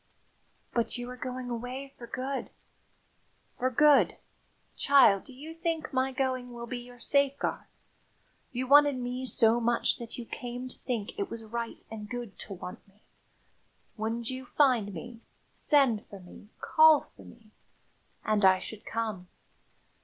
"But you are going away for good!" "For good! Child, do you think my going will be your safeguard? If you wanted me so much that you came to think it was right and good to want me, wouldn't you find me, send for me, call for me? And I should come.